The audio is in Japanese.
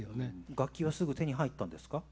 楽器はすぐ手に入ったんですか？